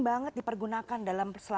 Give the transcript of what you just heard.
banget dipergunakan dalam